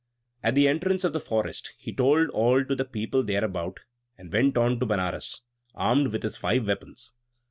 At the entrance of the forest he told all to the people thereabout; and went on to Benares, armed with his five weapons.